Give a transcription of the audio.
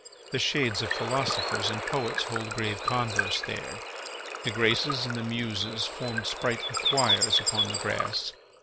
The shades of philosophers and poets hold grave converse there. The Graces and the Muses formed sprightly choirs upon the grass.